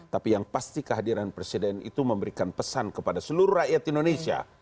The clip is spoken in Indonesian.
tapi yang pasti kehadiran presiden itu memberikan pesan kepada seluruh rakyat indonesia